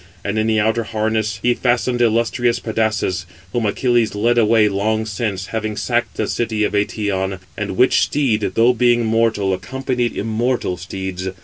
And in the outer harness he fastened illustrious Pedasus, whom Achilles led away long since, having sacked the city of Eëtion; and which [steed], though being mortal, accompanied immortal steeds.